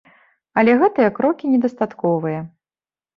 Але гэтыя крокі недастатковыя.